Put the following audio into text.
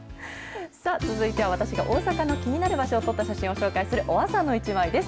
続いては私が大阪の気になる場所を撮った写真を紹介する、オアサのイチマイです。